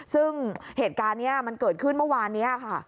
ซึ่งเหตุการณ์นี้มันเกิดขึ้นเมื่อวานนี้ค่ะ